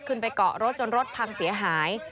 ไปเกาะรถจนรถพังเสียหาย